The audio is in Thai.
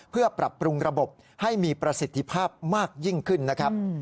เพื่อปรับปรุงระบบให้มีประสิทธิภาพมากยิ่งขึ้นนะครับ